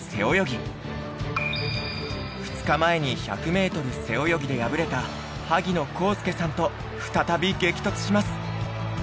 ２日前に１００メートル背泳ぎで敗れた萩野公介さんと再び激突します。